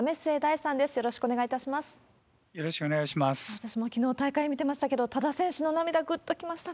私もきのう、大会見てましたけど、多田選手の涙、ぐっときましたね。